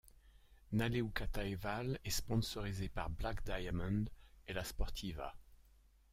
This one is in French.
Nalle Hukkataival est sponsorisé par Black Diamond et La Sportiva.